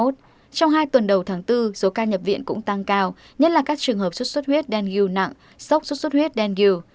trong hai tuần đầu tháng bốn số ca nhập viện cũng tăng cao nhất là các trường hợp xuất xuất huyết đan gu nặng sốc xuất xuất huyết đen gu